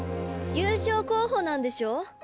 優勝候補なんでしょう？